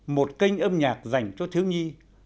một kênh âm nhạc dành cho thiếu nhi